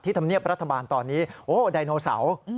ธรรมเนียบรัฐบาลตอนนี้โอ้ไดโนเสาร์